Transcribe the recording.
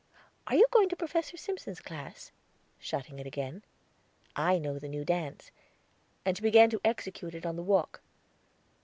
Are you going to Professor Simpson's class?" shutting it again. "I know the new dance"; and she began to execute it on the walk.